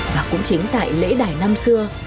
và cũng chính tại lễ đài năm xưa